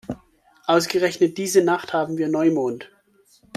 Ausgerechnet diese Nacht haben wir Neumond.